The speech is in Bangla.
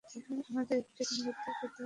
আমাদের এটি পুনরুদ্ধার করতে হবে।